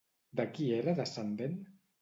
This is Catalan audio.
De qui era descendent?